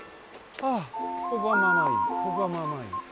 ここはまあまあいい。